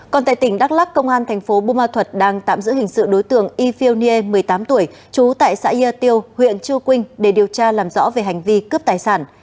còn tại tỉnh đắk lắc công an thành phố bù ma thuật đang tạm giữ hình sự đối tượng y phil nghê một mươi tám tuổi trú tại xã yer tiêu huyện chư quynh để điều tra làm rõ về hành vi cướp tài sản